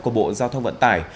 của bộ giao thông vận tải